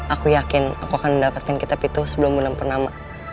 aku yakin aku akan mendapatkan kitab itu sebelum bulan purnama